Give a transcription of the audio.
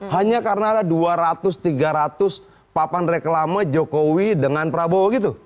hanya karena ada dua ratus tiga ratus papan reklama jokowi dengan prabowo gitu